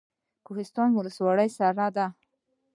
کوهستان ولسوالۍ سړه ده؟